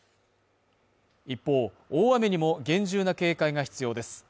一方、大雨にも厳重な警戒が必要です。